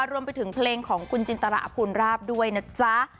รวมไปถึงเพลงของคุณจินตราอภูนราบด้วยนะจ๊ะ